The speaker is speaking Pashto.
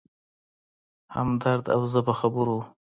همدرد او زه په خبرو و.